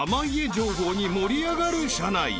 情報に盛り上がる車内］